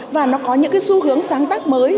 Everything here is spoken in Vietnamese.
và nó có những cái xu hướng sáng tác mới